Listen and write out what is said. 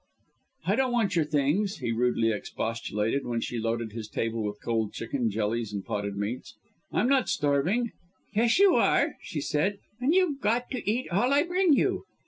"I don't want your things," he rudely expostulated, when she loaded his table with cold chicken, jellies and potted meats. "I'm not starving." "Yes, you are," she said, "and you've got to eat all I bring you."